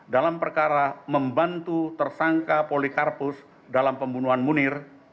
dalam perkara membantu tersangka polikarpus dalam pembunuhan munir